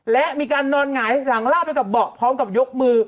และมีการนอนหงายหลังลาบไปกับเบาะพร้อมกับยกมือ